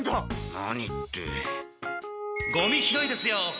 何ってゴミ拾いですよ。